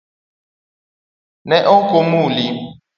Ne oko muli?